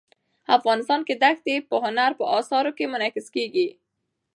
افغانستان کې دښتې د هنر په اثار کې منعکس کېږي.